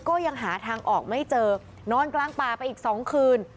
ก็ยังหาทางออกไม่เจอนอนกลางป่าไปอีก๒คืน